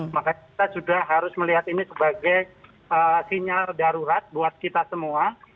makanya kita sudah harus melihat ini sebagai sinyal darurat buat kita semua